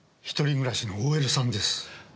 一人暮らしのＯＬさんです。